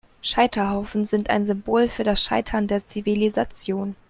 Scheiterhaufen sind ein Symbol für das Scheitern der Zivilisation.